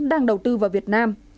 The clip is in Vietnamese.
đang đầu tư vào việt nam